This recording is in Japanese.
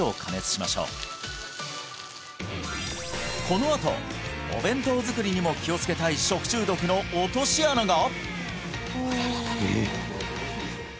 このあとお弁当作りにも気をつけたい食中毒の落とし穴が！？